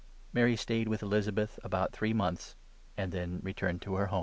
Mary stayed with Elizabeth about three months, and then 56 returned to her home.